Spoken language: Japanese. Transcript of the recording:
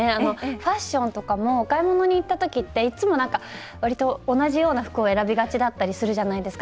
ファッションとかもお買い物に行った時っていつも割と同じような服を選びがちだったりするじゃないですか。